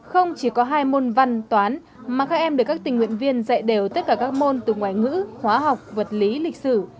không chỉ có hai môn văn toán mà các em được các tình nguyện viên dạy đều tất cả các môn từ ngoại ngữ hóa học vật lý lịch sử